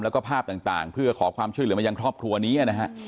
แล้วก็ภาพต่างเพื่อขอความช่วยเหลือมายังครอบครัวนี้นะฮะ